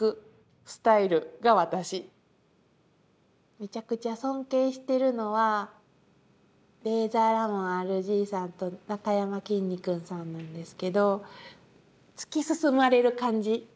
めちゃくちゃ尊敬してるのはレイザーラモンＲＧさんとなかやまきんに君さんなんですけど突き進まれる感じ。